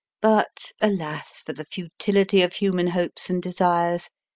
But alas for the futility of human hopes and desires